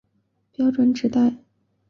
标准纸袋是由牛皮纸制成的。